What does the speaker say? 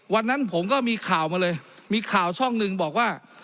วันนั้นผมก็มีข่าวมาเลยมีข่าวช่องหนึ่งบอกว่า